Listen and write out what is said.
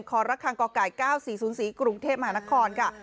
คอร์รักษังกอก่าย๙๔๐๔กรุงเทพมหานครค่ะ